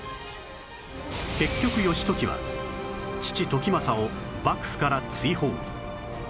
結局義時は父時政を幕府から追放